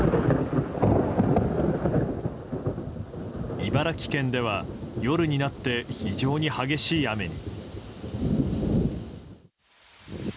茨城県では夜になって非常に激しい雨に。